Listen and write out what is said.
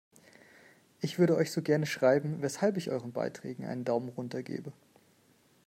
Ich würde euch so gerne schreiben, weshalb ich euren Beiträgen einen Daumen runter gebe!